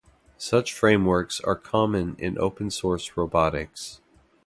Such frameworks are common in Open-source robotics.